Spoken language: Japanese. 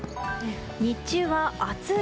日中は暑い！